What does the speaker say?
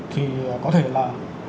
thì có thể là